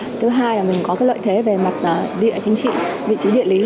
thứ hai là mình có lợi thế về mặt địa chính trị vị trí địa lý